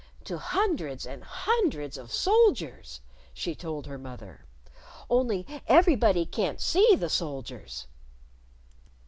"To hundreds and hundreds of soldiers!" she told her mother. "Only everybody can't see the soldiers."